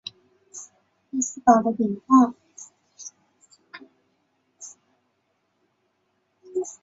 目前大部分的实验使用低温探测器或惰性液体探测器。